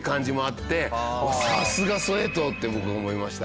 さすがソウェト！って僕思いました。